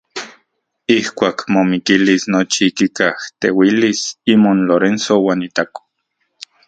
Ijkuak momikilis nochi kikajteuilis imon Lorenzo uan itako.